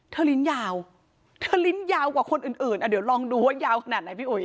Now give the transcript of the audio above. ลิ้นยาวเธอลิ้นยาวกว่าคนอื่นอ่ะเดี๋ยวลองดูว่ายาวขนาดไหนพี่อุ๋